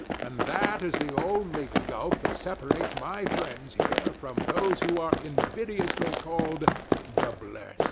And that is the only gulf that separates my friends here from those who are invidiously called the blest.